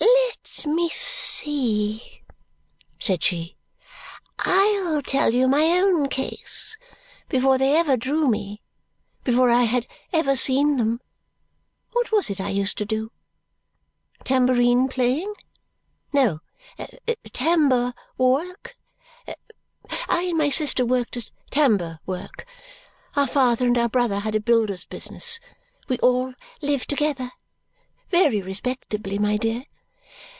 "Let me see," said she. "I'll tell you my own case. Before they ever drew me before I had ever seen them what was it I used to do? Tambourine playing? No. Tambour work. I and my sister worked at tambour work. Our father and our brother had a builder's business. We all lived together. Ve ry respectably, my dear!